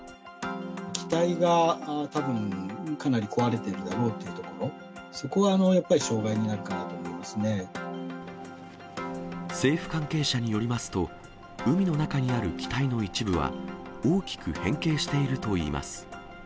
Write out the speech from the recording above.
機体がたぶん、かなり壊れてるだろうというところ、そこはやっぱり障害になるか政府関係者によりますと、海の中にある機体の一部は、大きく変形しているといいます。